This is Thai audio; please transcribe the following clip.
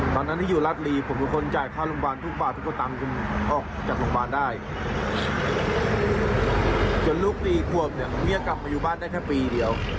ไปอยู่บ้านได้แค่ปีเดี๋ยว